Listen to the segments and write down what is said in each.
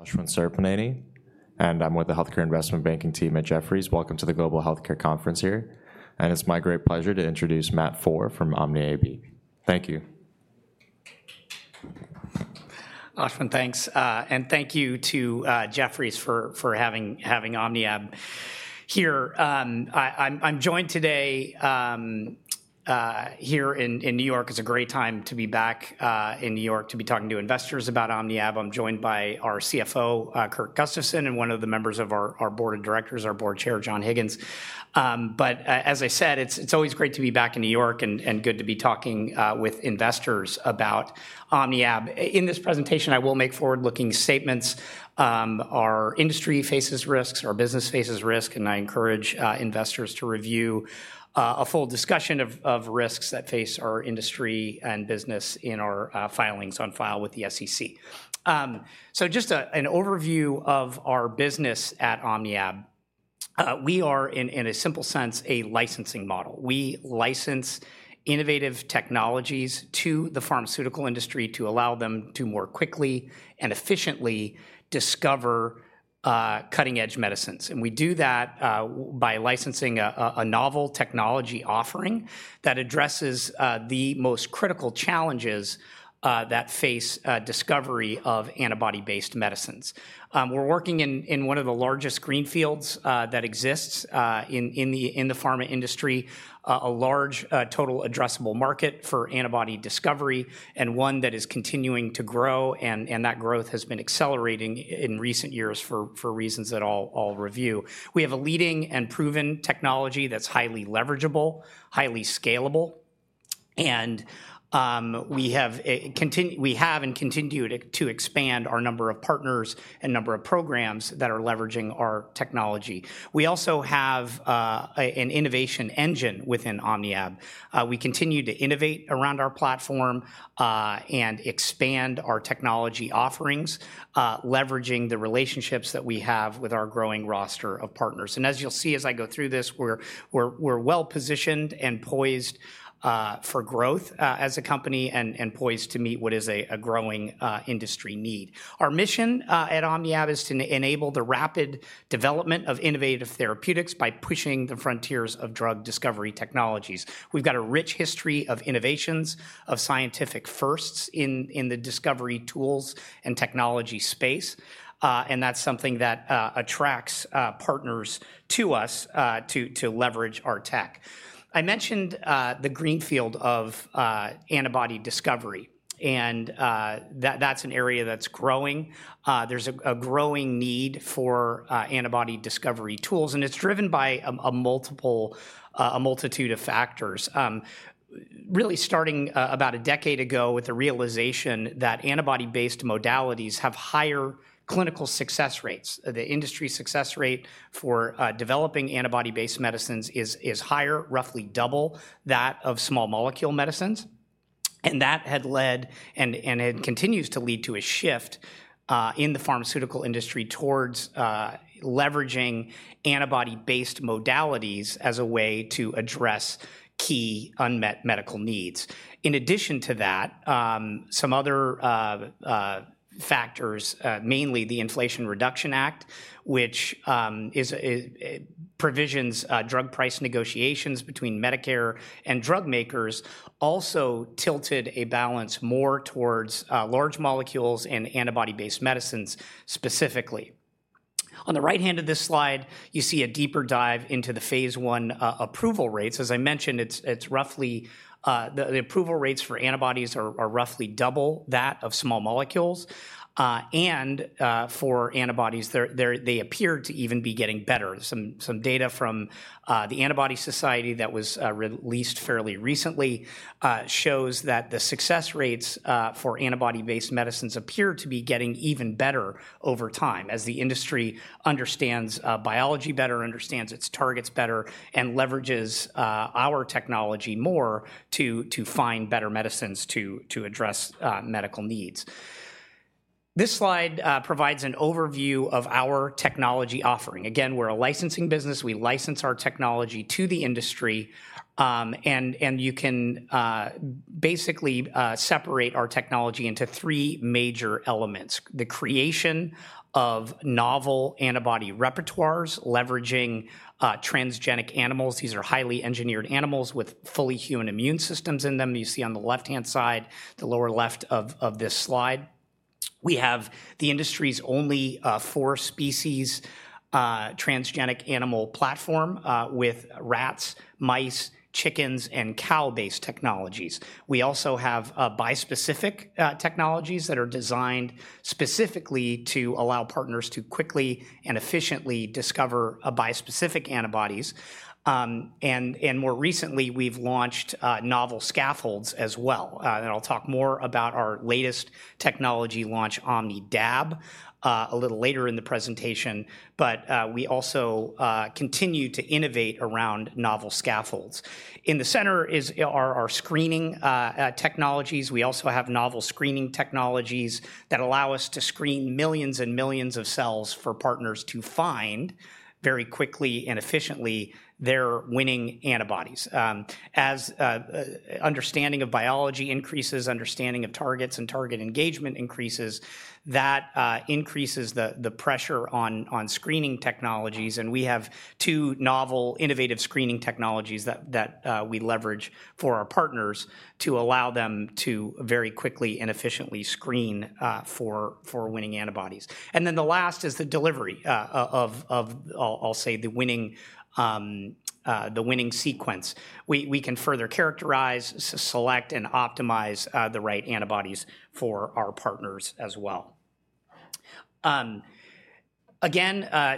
Ashwin Subramanian, and I'm with the healthcare investment banking team at Jefferies. Welcome to the Global Healthcare Conference here, and it's my great pleasure to introduce Matt Foehr from OmniAb. Thank you. Ashwin, thanks. And thank you to Jefferies for having OmniAb here. I'm joined today here in New York. It's a great time to be back in New York to be talking to investors about OmniAb. I'm joined by our CFO, Kurt Gustafson, and one of the members of our board of directors, our board chair, John Higgins. As I said, it's always great to be back in New York and good to be talking with investors about OmniAb. In this presentation, I will make forward-looking statements. Our industry faces risks, our business faces risk, and I encourage investors to review a full discussion of risks that face our industry and business in our filings on file with the SEC. So just an overview of our business at OmniAb. We are, in a simple sense, a licensing model. We license innovative technologies to the pharmaceutical industry to allow them to more quickly and efficiently discover cutting-edge medicines. And we do that by licensing a novel technology offering that addresses the most critical challenges that face discovery of antibody-based medicines. We're working in one of the largest greenfields that exists in the pharma industry, a large total addressable market for antibody discovery, and one that is continuing to grow, and that growth has been accelerating in recent years for reasons that I'll review. We have a leading and proven technology that's highly leverageable, highly scalable, and we have and continue to expand our number of partners and number of programs that are leveraging our technology. We also have an innovation engine within OmniAb. We continue to innovate around our platform and expand our technology offerings, leveraging the relationships that we have with our growing roster of partners. And as you'll see, as I go through this, we're well-positioned and poised for growth as a company, and poised to meet what is a growing industry need. Our mission at OmniAb is to enable the rapid development of innovative therapeutics by pushing the frontiers of drug discovery technologies. We've got a rich history of innovations, of scientific firsts in the discovery tools and technology space, and that's something that attracts partners to us, to leverage our tech. I mentioned the greenfield of antibody discovery, and that's an area that's growing. There's a growing need for antibody discovery tools, and it's driven by a multitude of factors. Really starting about a decade ago with the realization that antibody-based modalities have higher clinical success rates. The industry success rate for developing antibody-based medicines is higher, roughly double that of small molecule medicines, and that had led, and it continues to lead to a shift in the pharmaceutical industry towards leveraging antibody-based modalities as a way to address key unmet medical needs. In addition to that, some other factors, mainly the Inflation Reduction Act, which provisions drug price negotiations between Medicare and drug makers, also tilted a balance more towards large molecules and antibody-based medicines, specifically. On the right hand of this slide, you see a deeper dive into the phase I approval rates. As I mentioned, it's roughly. The approval rates for antibodies are roughly double that of small molecules. And for antibodies, they appear to even be getting better. Some data from the Antibody Society that was released fairly recently shows that the success rates for antibody-based medicines appear to be getting even better over time, as the industry understands biology better, understands its targets better, and leverages our technology more to find better medicines to address medical needs. This slide provides an overview of our technology offering. Again, we're a licensing business. We license our technology to the industry, and you can basically separate our technology into three major elements: the creation of novel antibody repertoires, leveraging transgenic animals. These are highly engineered animals with fully human immune systems in them. You see on the left-hand side, the lower left of this slide. We have the industry's only four species transgenic animal platform with rats, mice, chickens, and cow-based technologies. We also have bispecific technologies that are designed specifically to allow partners to quickly and efficiently discover bispecific antibodies. And more recently, we've launched novel scaffolds as well, and I'll talk more about our latest technology launch, OmniAb, a little later in the presentation. But we also continue to innovate around novel scaffolds. In the center are our screening technologies. We also have novel screening technologies that allow us to screen millions and millions of cells for partners to find, very quickly and efficiently, their winning antibodies. As understanding of biology increases, understanding of targets and target engagement increases, that increases the pressure on screening technologies, and we have two novel innovative screening technologies that we leverage for our partners to allow them to very quickly and efficiently screen for winning antibodies. And then the last is the delivery of I'll say, the winning sequence. We can further characterize, select, and optimize the right antibodies for our partners as well.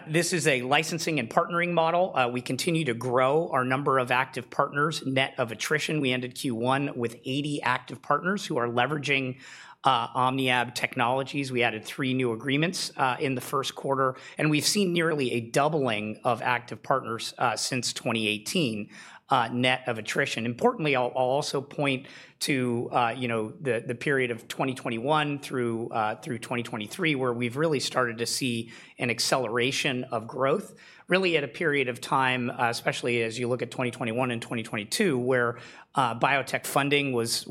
This is a licensing and partnering model. We continue to grow our number of active partners, net of attrition. We ended Q1 with 80 active partners who are leveraging OmniAb technologies. We added three new agreements in the first quarter, and we've seen nearly a doubling of active partners since 2018, net of attrition. Importantly, I'll also point to, you know, the period of 2021 through 2023, where we've really started to see an acceleration of growth, really at a period of time, especially as you look at 2021 and 2022, where biotech funding was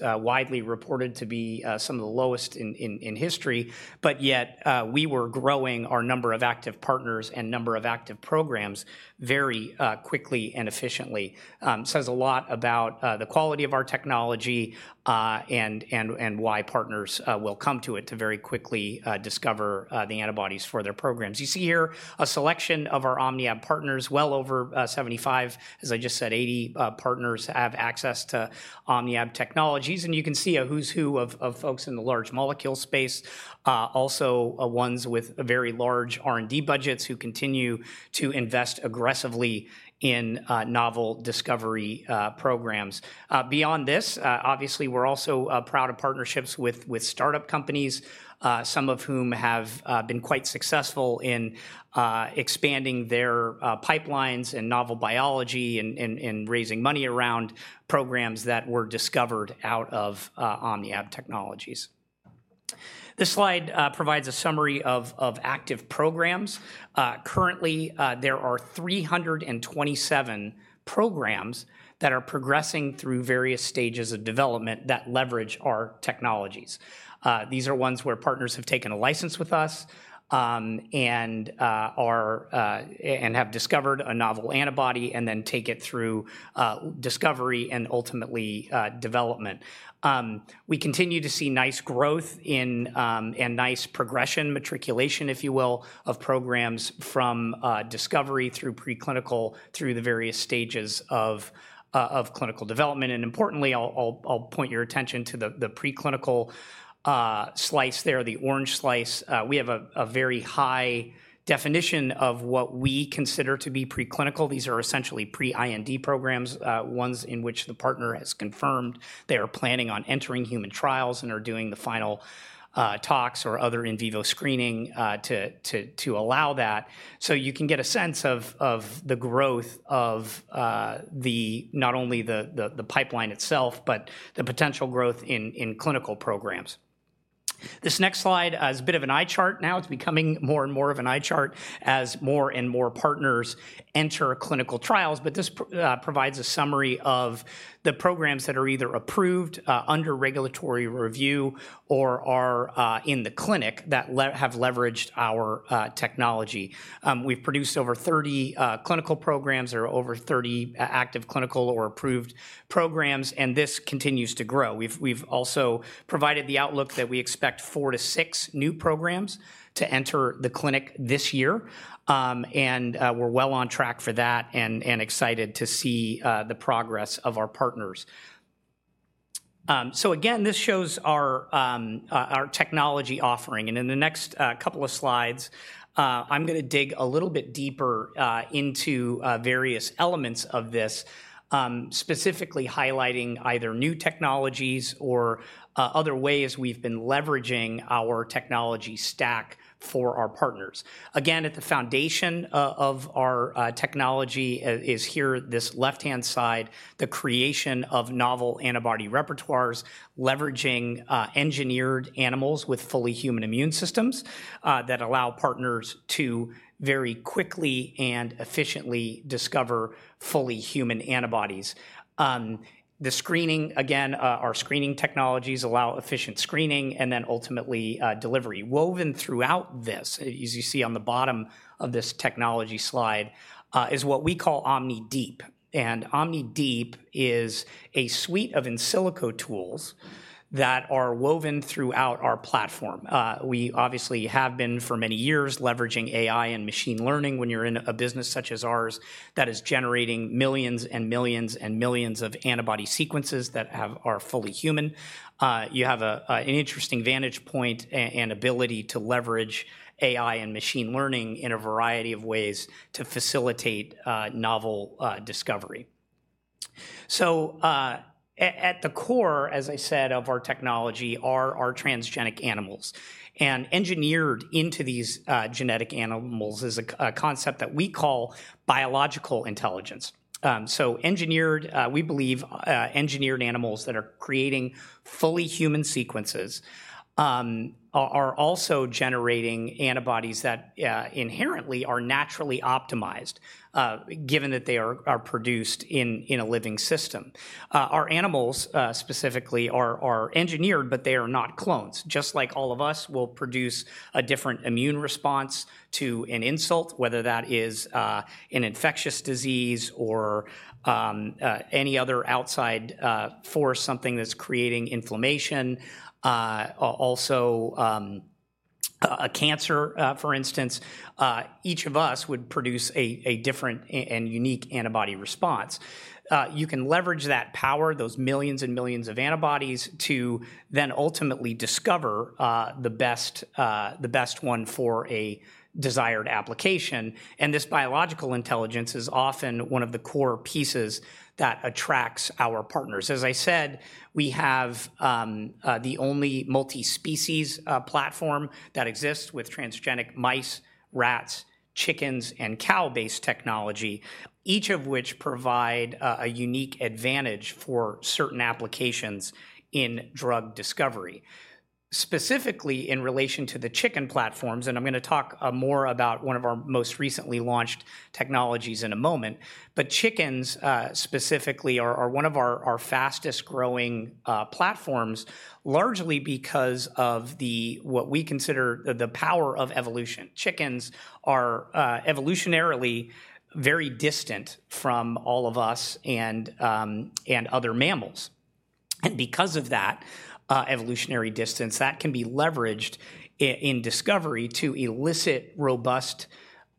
widely reported to be some of the lowest in history, but yet we were growing our number of active partners and number of active programs very quickly and efficiently. Says a lot about the quality of our technology, and why partners will come to it to very quickly discover the antibodies for their programs. You see here a selection of our OmniAb partners, well over 75, as I just said, 80 partners have access to OmniAb technologies, and you can see a who's who of folks in the large molecule space, also ones with very large R&D budgets who continue to invest aggressively in novel discovery programs. Beyond this, obviously, we're also proud of partnerships with startup companies, some of whom have been quite successful in expanding their pipelines and novel biology and raising money around programs that were discovered out of OmniAb technologies. This slide provides a summary of active programs. Currently, there are 327 programs that are progressing through various stages of development that leverage our technologies. These are ones where partners have taken a license with us, and are and have discovered a novel antibody and then take it through discovery and ultimately development. We continue to see nice growth in and nice progression, matriculation, if you will, of programs from discovery through preclinical, through the various stages of of clinical development. And importantly, I'll point your attention to the preclinical slice there, the orange slice. We have a very high definition of what we consider to be preclinical. These are essentially pre-IND programs, ones in which the partner has confirmed they are planning on entering human trials and are doing the final talks or other in vivo screening to allow that. So you can get a sense of the growth of the pipeline itself, but the potential growth in clinical programs. This next slide is a bit of an eye chart. Now it's becoming more and more of an eye chart as more and more partners enter clinical trials, but this provides a summary of the programs that are either approved under regulatory review or are in the clinic that have leveraged our technology. We've produced over 30 clinical programs or over 30 active clinical or approved programs, and this continues to grow. We've also provided the outlook that we expect four to six new programs to enter the clinic this year, and we're well on track for that and excited to see the progress of our partners. So again, this shows our our technology offering, and in the next couple of slides, I'm gonna dig a little bit deeper into various elements of this, specifically highlighting either new technologies or other ways we've been leveraging our technology stack for our partners. Again, at the foundation of our technology is here, this left-hand side, the creation of novel antibody repertoires, leveraging engineered animals with fully human immune systems that allow partners to very quickly and efficiently discover fully human antibodies. The screening, again, our screening technologies allow efficient screening and then ultimately delivery. Woven throughout this, as you see on the bottom of this technology slide, is what we call OmniDeep. And OmniDeep is a suite of in silico tools that are woven throughout our platform. We obviously have been for many years leveraging AI and machine learning. When you're in a business such as ours, that is generating millions and millions and millions of antibody sequences that are fully human, you have an interesting vantage point and ability to leverage AI and machine learning in a variety of ways to facilitate novel discovery. So, at the core, as I said, of our technology, are our transgenic animals. And engineered into these genetic animals is a concept that we call biological intelligence. So engineered, we believe, engineered animals that are creating fully human sequences are also generating antibodies that inherently are naturally optimized, given that they are produced in a living system. Our animals, specifically, are engineered, but they are not clones. Just like all of us, we'll produce a different immune response to an insult, whether that is an infectious disease or any other outside force, something that's creating inflammation, also a cancer, for instance, each of us would produce a different and unique antibody response. You can leverage that power, those millions and millions of antibodies, to then ultimately discover the best one for a desired application. And this biological intelligence is often one of the core pieces that attracts our partners. As I said, we have the only multi-species platform that exists with transgenic mice, rats, chickens, and cow-based technology, each of which provide a unique advantage for certain applications in drug discovery. Specifically, in relation to the chicken platforms, and I'm going to talk more about one of our most recently launched technologies in a moment, but chickens specifically are one of our fastest-growing platforms, largely because of the what we consider the power of evolution. Chickens are evolutionarily very distant from all of us and other mammals. And because of that evolutionary distance, that can be leveraged in discovery to elicit robust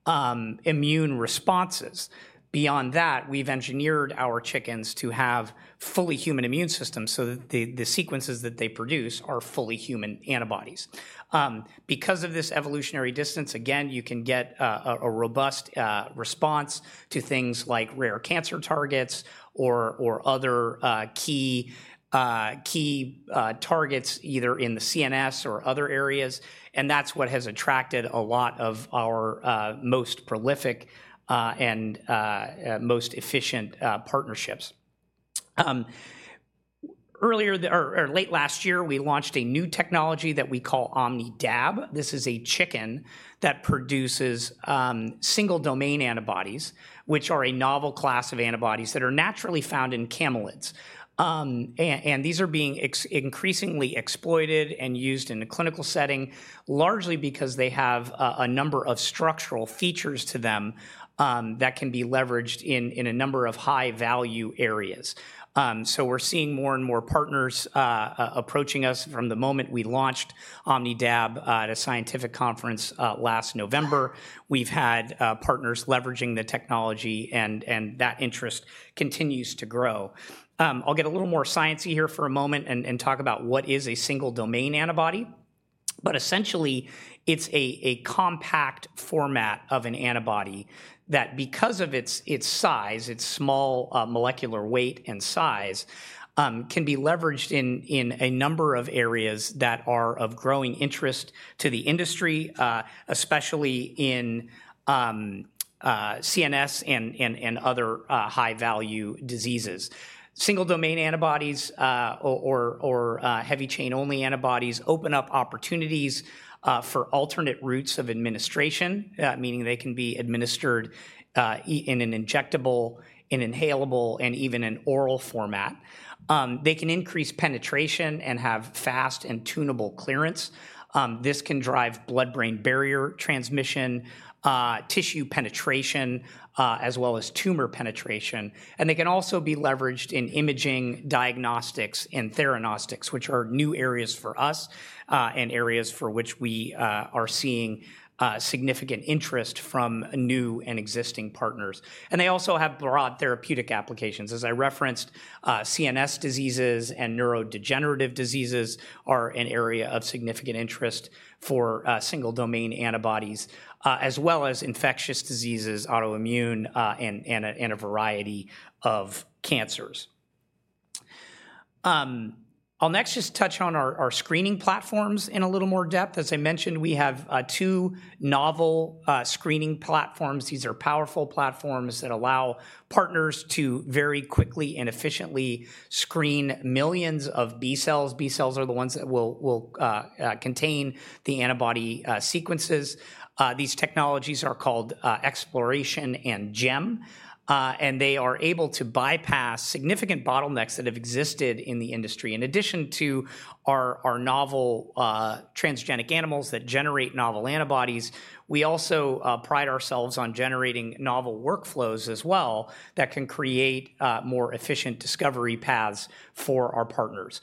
immune responses. Beyond that, we've engineered our chickens to have fully human immune systems so that the sequences that they produce are fully human antibodies. Because of this evolutionary distance, again, you can get a robust response to things like rare cancer targets or other key targets, either in the CNS or other areas, and that's what has attracted a lot of our most prolific and most efficient partnerships. Earlier, or late last year, we launched a new technology that we call OmniDab. This is a chicken that produces single-domain antibodies, which are a novel class of antibodies that are naturally found in camelids. And these are being increasingly exploited and used in a clinical setting, largely because they have a number of structural features to them that can be leveraged in a number of high-value areas. So we're seeing more and more partners approaching us from the moment we launched OmniDab at a scientific conference last November. We've had partners leveraging the technology, and that interest continues to grow. I'll get a little more sciencey here for a moment and talk about what is a single-domain antibody. But essentially, it's a compact format of an antibody that because of its size, its small molecular weight and size, can be leveraged in a number of areas that are of growing interest to the industry, especially in CNS and other high-value diseases. Single-domain antibodies or heavy-chain-only antibodies open up opportunities for alternate routes of administration, meaning they can be administered in an injectable, in inhalable, and even in oral format. They can increase penetration and have fast and tunable clearance. This can drive blood-brain barrier transmission, tissue penetration, as well as tumor penetration, and they can also be leveraged in imaging, diagnostics, and theranostics, which are new areas for us, and areas for which we are seeing significant interest from new and existing partners. They also have broad therapeutic applications. As I referenced, CNS diseases and neurodegenerative diseases are an area of significant interest for single-domain antibodies, as well as infectious diseases, autoimmune, and a variety of cancers. I'll next just touch on our screening platforms in a little more depth. As I mentioned, we have two novel screening platforms. These are powerful platforms that allow partners to very quickly and efficiently screen millions of B cells. B cells are the ones that will contain the antibody sequences. These technologies are called xPloration and GEM, and they are able to bypass significant bottlenecks that have existed in the industry. In addition to our novel transgenic animals that generate novel antibodies, we also pride ourselves on generating novel workflows as well that can create more efficient discovery paths for our partners.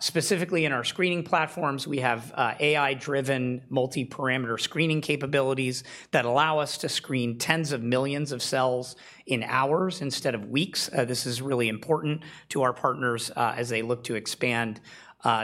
Specifically in our screening platforms, we have AI-driven multiparameter screening capabilities that allow us to screen tens of millions of cells in hours instead of weeks. This is really important to our partners as they look to expand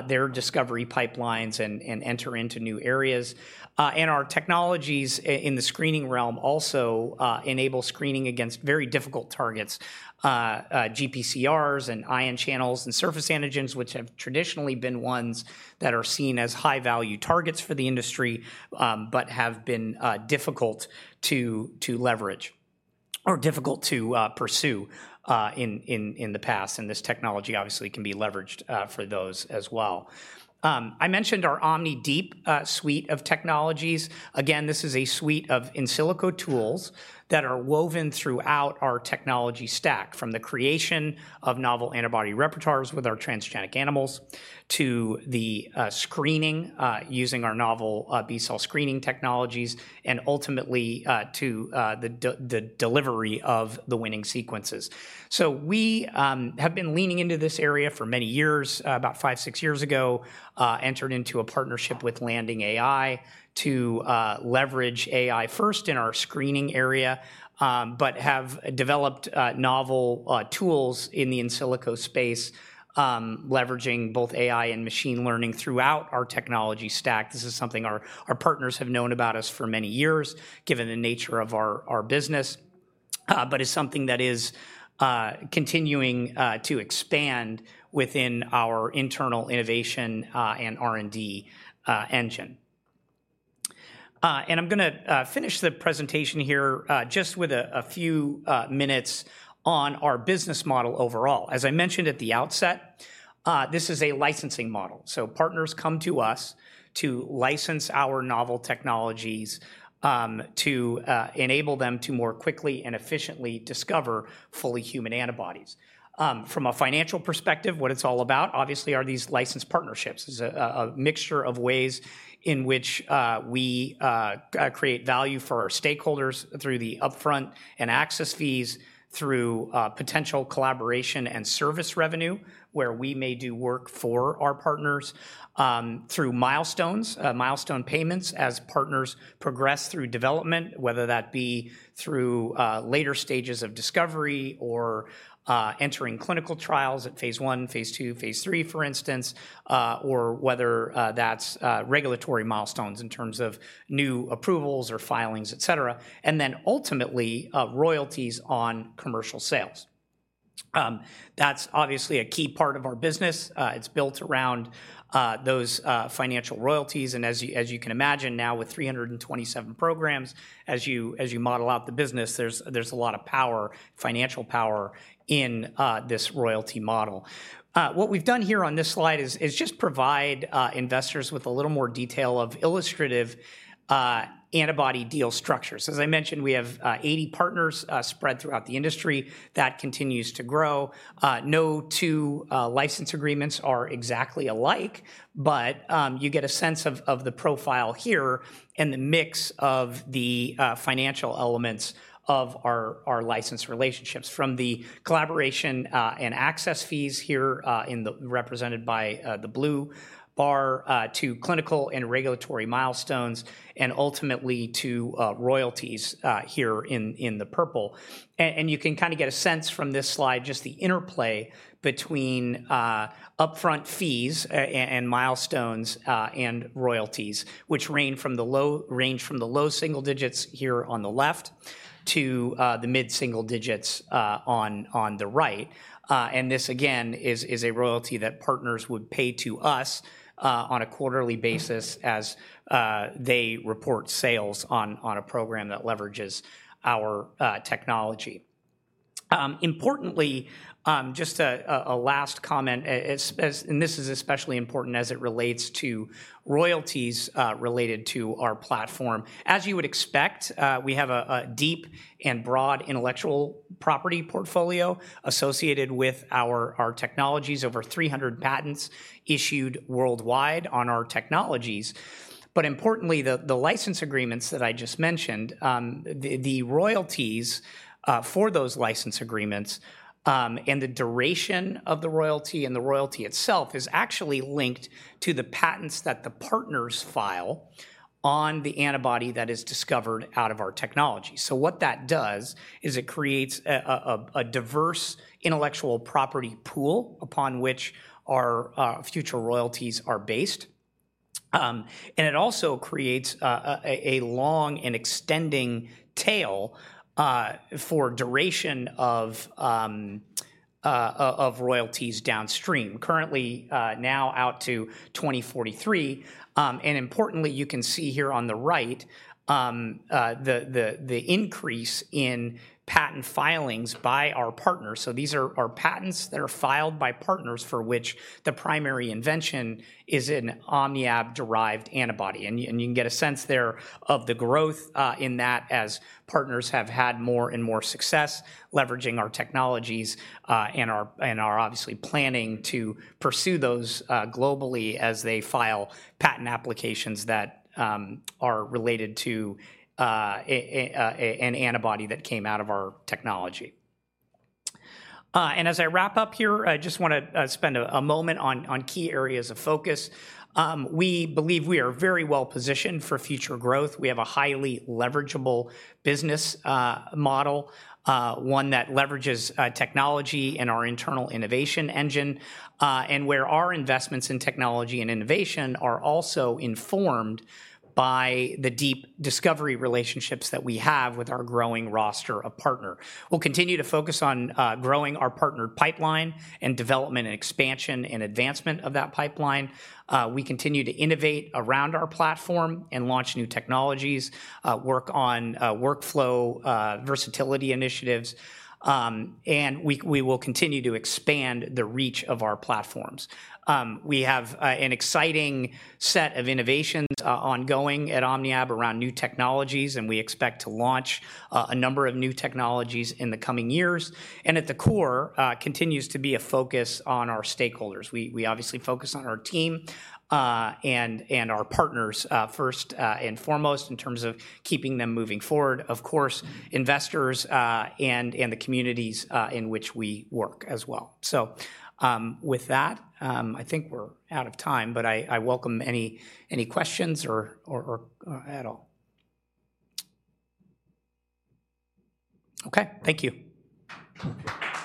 their discovery pipelines and enter into new areas. And our technologies in the screening realm also enable screening against very difficult targets, GPCRs and ion channels and surface antigens, which have traditionally been ones that are seen as high-value targets for the industry, but have been difficult to leverage or difficult to pursue in the past, and this technology obviously can be leveraged for those as well. I mentioned our OmniDeep suite of technologies. Again, this is a suite of in silico tools that are woven throughout our technology stack, from the creation of novel antibody repertoires with our transgenic animals, to the screening using our novel B-cell screening technologies, and ultimately to the delivery of the winning sequences. So we have been leaning into this area for many years, about five to six years ago entered into a partnership with Landing AI to leverage AI first in our screening area, but have developed novel tools in the in silico space, leveraging both AI and machine learning throughout our technology stack. This is something our partners have known about us for many years, given the nature of our business, but it's something that is continuing to expand within our internal innovation and R&D engine. And I'm gonna finish the presentation here just with a few minutes on our business model overall. As I mentioned at the outset, this is a licensing model, so partners come to us to license our novel technologies, to enable them to more quickly and efficiently discover fully human antibodies. From a financial perspective, what it's all about, obviously, are these licensed partnerships. This is a mixture of ways in which we create value for our stakeholders through the upfront and access fees, through potential collaboration and service revenue, where we may do work for our partners, through milestones, milestone payments as partners progress through development, whether that be through later stages of discovery or entering clinical trials at phase 1, phase 2, phase 3, for instance, or whether that's regulatory milestones in terms of new approvals or filings, et cetera, and then ultimately, royalties on commercial sales. That's obviously a key part of our business. It's built around those financial royalties, and as you can imagine now, with 327 programs, as you model out the business, there's a lot of power, financial power in this royalty model. What we've done here on this slide is just provide investors with a little more detail of illustrative antibody deal structures. As I mentioned, we have 80 partners spread throughout the industry. That continues to grow. No two license agreements are exactly alike, but you get a sense of the profile here and the mix of the financial elements of our license relationships, from the collaboration and access fees here in the... represented by the blue bar to clinical and regulatory milestones and ultimately to royalties here in the purple. And you can kinda get a sense from this slide, just the interplay between upfront fees, and milestones, and royalties, which range from the low single digits here on the left to the mid-single digits on the right. And this, again, is a royalty that partners would pay to us on a quarterly basis as they report sales on a program that leverages our technology. Importantly, just a last comment, as, and this is especially important as it relates to royalties related to our platform. As you would expect, we have a deep and broad intellectual property portfolio associated with our technologies, over 300 patents issued worldwide on our technologies. But importantly, the license agreements that I just mentioned, the royalties for those license agreements, and the duration of the royalty and the royalty itself is actually linked to the patents that the partners file on the antibody that is discovered out of our technology. So what that does is it creates a diverse intellectual property pool upon which our future royalties are based. And it also creates a long and extending tail for duration of royalties downstream. Currently, now out to 2043, and importantly, you can see here on the right, the increase in patent filings by our partners. So these are patents that are filed by partners for which the primary invention is an OmniAb-derived antibody, and you can get a sense there of the growth in that as partners have had more and more success leveraging our technologies, and are obviously planning to pursue those globally as they file patent applications that are related to an antibody that came out of our technology. And as I wrap up here, I just wanna spend a moment on key areas of focus. We believe we are very well-positioned for future growth. We have a highly leverageable business model, one that leverages technology and our internal innovation engine, and where our investments in technology and innovation are also informed by the deep discovery relationships that we have with our growing roster of partner. We'll continue to focus on growing our partnered pipeline and development and expansion and advancement of that pipeline. We continue to innovate around our platform and launch new technologies, work on workflow versatility initiatives, and we will continue to expand the reach of our platforms. We have an exciting set of innovations ongoing at OmniAb around new technologies, and we expect to launch a number of new technologies in the coming years, and at the core continues to be a focus on our stakeholders. We obviously focus on our team and our partners first and foremost in terms of keeping them moving forward, of course, investors and the communities in which we work as well. So, with that, I think we're out of time, but I welcome any questions or at all. Okay. Thank you.